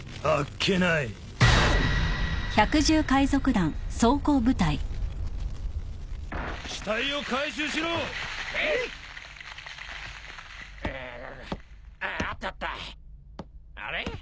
あれ？